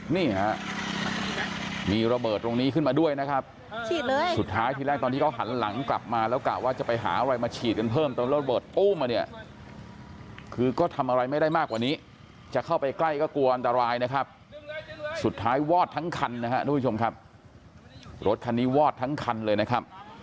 น้ำน้ำน้ำน้ำน้ำน้ำน้ำน้ำน้ำน้ำน้ำน้ำน้ำน้ำน้ำน้ำน้ำน้ำน้ำน้ำน้ำน้ำน้ำน้ำน้ำน้ำน้ำน้ำน้ำน้ำน้ำน้ำน้ำน้ำน้ำน้ำน้ำ